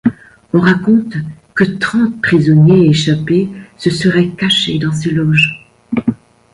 On raconte que trente prisonniers échappés se seraient cachés dans ses loges.